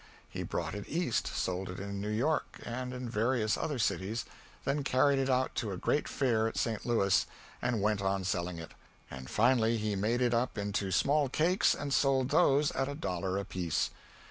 He brought it East, sold it in New York and in various other cities, then carried it out to a great Fair at St. Louis, and went on selling it; and finally made it up into small cakes and sold those at a dollar apiece.